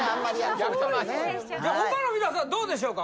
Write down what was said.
他の皆さんどうでしょうか？